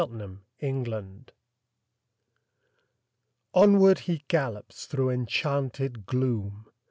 KNIGHT ERRANT Onward he gallops through enchanted gloom.